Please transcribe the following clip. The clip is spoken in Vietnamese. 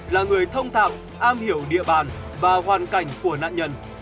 là người thông thạm am hiểu địa bàn và hoàn cảnh của nạn nhân